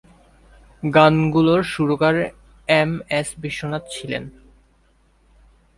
গানগুলোর সুরকার M S Vishwanath ছিলেন।